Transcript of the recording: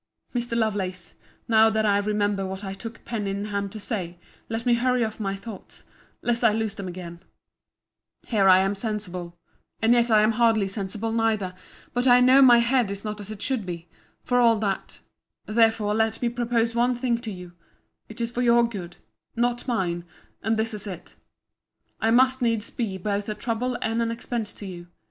Mr. Lovelace, now that I remember what I took pen in hand to say, let me hurry off my thoughts, lest I lose them again—here I am sensible—and yet I am hardly sensible neither—but I know my head is not as it should be, for all that—therefore let me propose one thing to you: it is for your good—not mine; and this is it: I must needs be both a trouble and an expense to you.